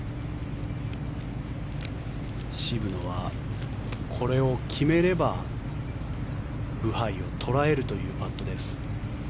渋野はこれを決めればブハイを捉えるというパット。